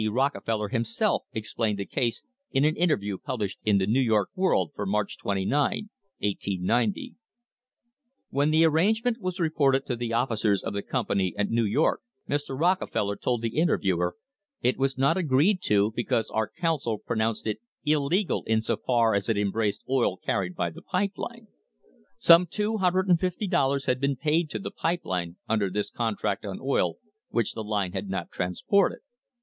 Rockefeller himself explained the case in an interview published in the New York World for March 29, 1890: "When the arrangement was reported to the officers of the company at New York," Mr. Rockefeller told the interviewer, "it was not agreed to because our coun sel pronounced it illegal in so far as it embraced oil carried by the pipe line. Some $250 had been paid to the pipe line under this contract on oil which the line had not transported.